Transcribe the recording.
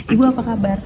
ibu apa kabar